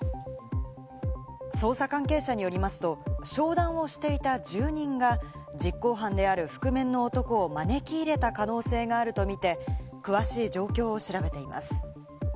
捜査関係者によりますと、商談をしていた住人が実行犯である覆面の男を招き入れた可能性があるとみて、詳しい状況を調べています。